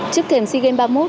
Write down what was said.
trước thềm sea game ba mươi một